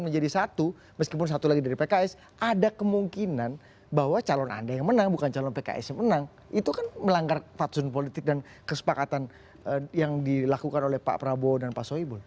menjadi satu meskipun satu lagi dari pks ada kemungkinan bahwa calon anda yang menang bukan calon pks yang menang itu kan melanggar fatsun politik dan kesepakatan yang dilakukan oleh pak prabowo dan pak soebul